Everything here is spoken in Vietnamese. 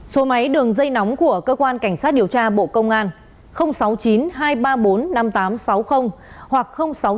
số máy đường dây nóng của cơ quan cảnh sát điều tra bộ công an sáu mươi chín hai trăm ba mươi bốn năm nghìn tám trăm sáu mươi hoặc sáu mươi chín hai trăm ba mươi hai một nghìn sáu trăm sáu mươi